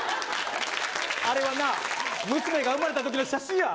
あれはな娘が生まれたときの写真や。